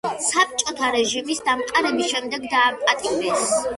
საბჭოთა რეჟიმის დამყარების შემდეგ დააპატიმრეს.